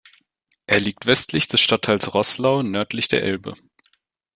Er liegt westlich des Stadtteils Roßlau nördlich der Elbe.